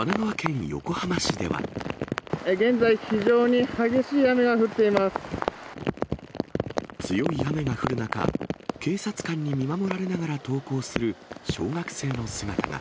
現在、非常に激しい雨が降っ強い雨が降る中、警察官に見守られながら登校する小学生の姿が。